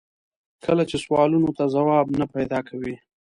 کله چې سوالونو ته ځواب نه پیدا کوي.